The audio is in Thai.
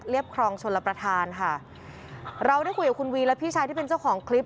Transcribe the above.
ครองชนรับประทานค่ะเราได้คุยกับคุณวีและพี่ชายที่เป็นเจ้าของคลิป